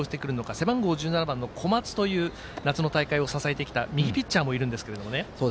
背番号１７番の小松という夏の大会を支えてきた右ピッチャーもいるんですけどね。